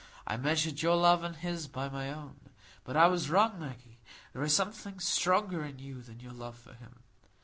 I measured your love and his by my own. But I was wrong, Maggie. There is something stronger in you than your love for him.